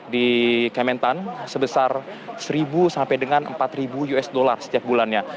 di kementan sebesar seribu sampai dengan empat usd setiap bulannya